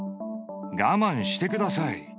我慢してください。